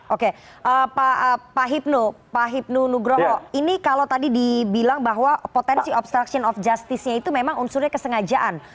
oke pak hipnu pak hipnu nugroho ini kalau tadi dibilang bahwa potensi obstruction of justice nya itu memang unsurnya kesengajaan